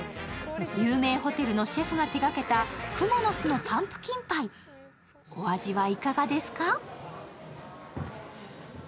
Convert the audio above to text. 有名ホテルのシェフが手がけたくもの巣のパンプキンパイ、お味はいかがですか？